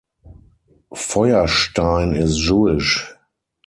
Feurerstein is Jewish.